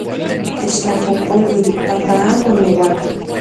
Techtlapojpolui panpa amo oniuala...